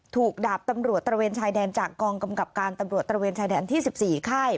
ดาบตำรวจตระเวนชายแดนจากกองกำกับการตำรวจตระเวนชายแดนที่๑๔ค่าย